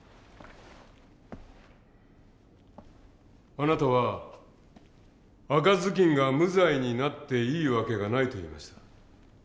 あなたは赤ずきんが無罪になっていい訳がないと言いました。